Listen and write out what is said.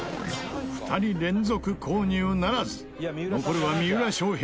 ２人連続購入ならず残るは、三浦翔平